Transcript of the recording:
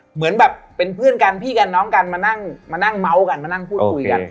เหมือนแบบเป็นเพื่อนกันพี่กันน้องกันมานั่งมานั่งเมาส์กันมานั่งพูดคุยกัน